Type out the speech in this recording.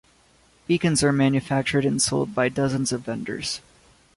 Beacons are manufactured and sold by dozens of vendors.